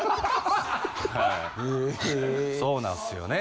そうなんすよね。